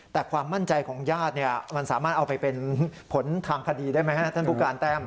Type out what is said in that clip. แต่ความมั่นใจของญาติมันสามารถเอาไปเป็นผลทางคดีได้ไหมฮะ